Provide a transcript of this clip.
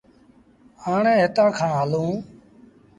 هآڻي هِتآنٚ کآݩ هلونٚ۔